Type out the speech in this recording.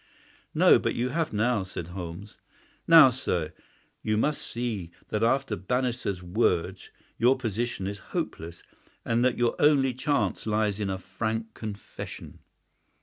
"No, but you have now," said Holmes. "Now, sir, you must see that after Bannister's words your position is hopeless, and that your only chance lies in a frank confession."